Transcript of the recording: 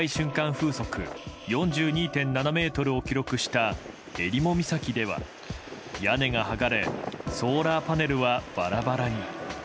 風速４２．７メートルを記録した、えりも岬では屋根が剥がれソーラーパネルはバラバラに。